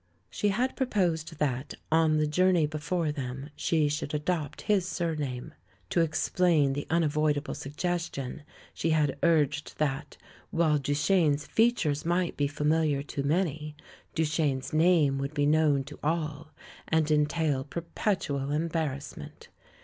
She had proposed that, on the journey before them, she should adopt his surname. To explain the unavoidable suggestion, she had urged that, while Duchene's features might be familiar to many, Duchene's name would be known to all and entail perpetual embarrassment.